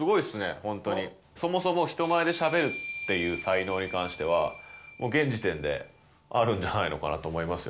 そもそも人前でしゃべるっていう才能に関しては現時点であるんじゃないのかなと思いますよ